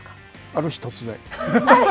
ある日、突然？